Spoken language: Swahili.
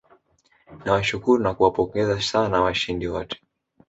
nawashukuru na kuwapongeza sana washindi wote